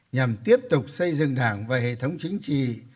nhằm tiếp tục xây dựng đảng và hệ thống chính trị